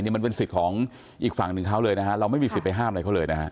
มันเป็นสิทธิ์ของอีกฝั่งหนึ่งเขาเลยนะฮะเราไม่มีสิทธิ์ไปห้ามอะไรเขาเลยนะฮะ